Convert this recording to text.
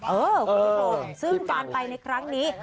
เออคุณอาบอกว่าซึ่งก่อนไปในครั้งนี้